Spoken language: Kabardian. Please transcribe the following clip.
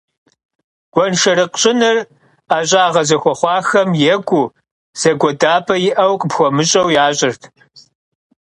Гуэншэрыкъ щӀыныр ӀэщӀагъэ зыхуэхъуахэм екӀуу, зыгуэдапӀэ иӀэу къыпхуэмыщӀэу ящӀырт.